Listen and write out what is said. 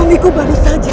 bau miku baru saja